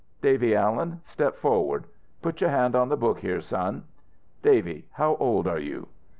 Davy Alien step forward. Put your hand on the book here, son. Davy, how old are you?"